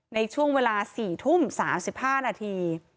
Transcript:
ในช่วงเวลา๔ทุ่ม๓๕นาที